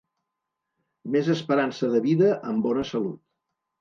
Més esperança de vida amb bona salut.